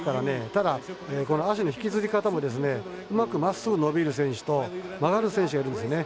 ただ、足の引きずり方もうまくまっすぐ伸びる選手と曲がる選手がいるんですね。